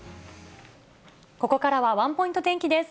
ここからはワンポイント天気です。